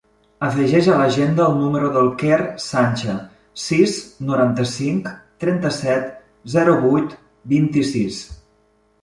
Afegeix a l'agenda el número del Quer Sancha: sis, noranta-cinc, trenta-set, zero, vuit, vint-i-sis.